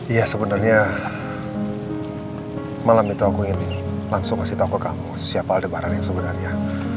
ya sebenernya malam itu aku ingin langsung kasih tau ke kamu siapa ada barang yang sebenarnya